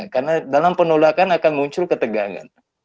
karena dalam penolakan akan muncul ketegangan